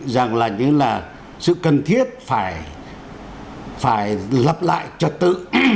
rằng là như là sự cần thiết phải lập lại trật tự